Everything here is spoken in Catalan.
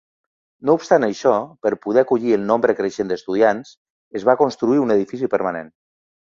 No obstant això, per poder acollir el nombre creixent d'estudiants, es va construir un edifici permanent.